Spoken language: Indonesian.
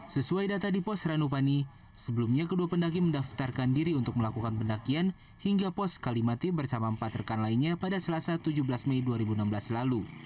sesuai data di pos ranupani sebelumnya kedua pendaki mendaftarkan diri untuk melakukan pendakian hingga pos kalimati bersama empat rekan lainnya pada selasa tujuh belas mei dua ribu enam belas lalu